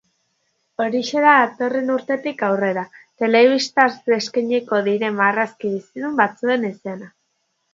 Horixe da datorren urtetik aurrera, telebistaz eskainiko diren marrazki bizidun batzuek izena.